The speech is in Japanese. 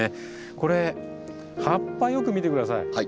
これ葉っぱよく見て下さい。